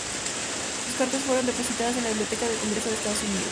Sus cartas fueron depositadas en la Biblioteca del Congreso de Estados Unidos.